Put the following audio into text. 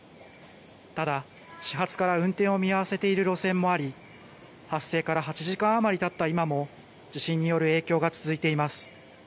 ただ、始発から運転を見合わせている路線もあり、発生から８時間余りたった今も、地震による影響が続いています。